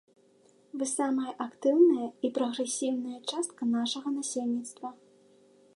Вы самая актыўная і прагрэсіўная частка нашага насельніцтва.